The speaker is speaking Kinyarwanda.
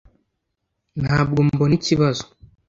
ntabwo mbona ikibazo